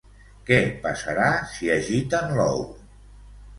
Què passarà si agiten l'ou?